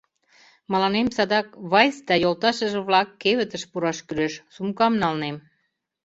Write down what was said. — Мыланем садак «Вайс да йолташыже-влак» кевытыш пураш кӱлеш, сумкам налнем.